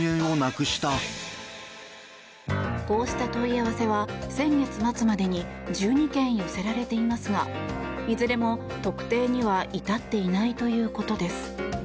こうした問い合わせは先月末までに１２件寄せられていますがいずれも特定には至っていないということです。